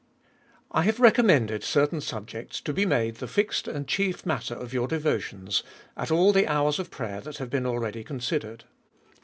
I HAVE recommended certain subjects to be made the fixed and chief matter of your devotions, at all the hours of prayer that have been already considered.